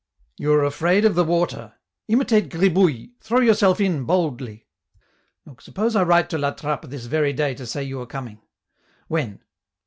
" You are afraid of the water ; imitate Gribouille, throw yourself in boldly ; look, suppose I write to La Trappe this very day to say you are coming ; when